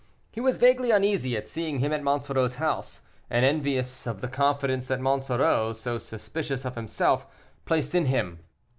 He was vaguely uneasy at seeing him at Monsoreau's house, and envious of the confidence that Monsoreau, so suspicious of himself, placed in him.